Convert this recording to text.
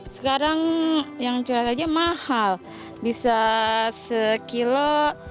sekarang yang curhat aja mahal bisa sekilo